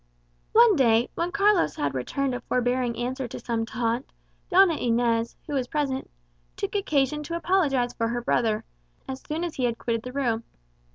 One day, when Carlos had returned a forbearing answer to some taunt, Doña Inez, who was present, took occasion to apologize for her brother, as soon as he had quitted the room.